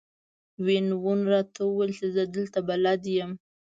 وین وون راته وویل چې زه دلته بلد یم.